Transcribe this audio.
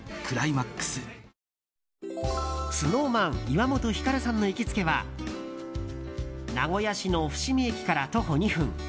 ＳｎｏｗＭａｎ岩本照さんの行きつけは名古屋市の伏見駅から徒歩２分。